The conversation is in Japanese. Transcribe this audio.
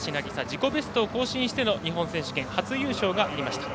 自己ベストを更新しての日本選手権初優勝でした。